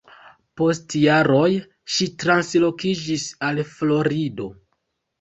Post jaroj ŝi translokiĝis al Florido.